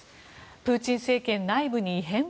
プーチン政権内部に異変？